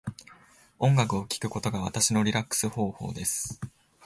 音楽を聴くことが私のリラックス方法です。